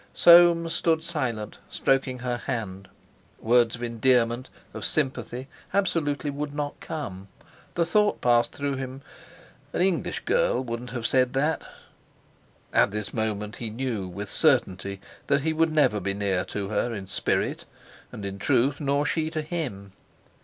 Soames stood silent, stroking her hand; words of endearment, of sympathy, absolutely would not come; the thought passed through him: "An English girl wouldn't have said that!" At this moment he knew with certainty that he would never be near to her in spirit and in truth, nor she to him.